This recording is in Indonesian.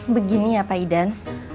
begini ya pak idan